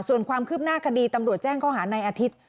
ส่วนความคืบหน้าคดีตำรวจแจ้งข้อหาในอาทิตย์